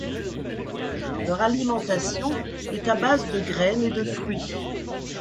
Leur alimentation est à base de graines et de fruits.